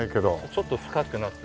ちょっと深くなって。